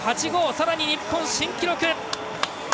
さらに日本新記録！